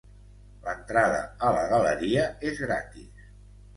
L'entrada a la galeria és gratis.